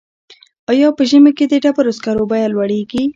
آیا په ژمي کې د ډبرو سکرو بیه لوړیږي؟